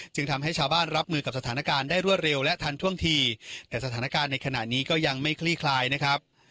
ทำให้ชาวบ้านรับมือกับสถานการณ์ได้รวดเร็วและทันท่วงทีแต่สถานการณ์ในขณะนี้ก็ยังไม่คลี่คลายนะครับ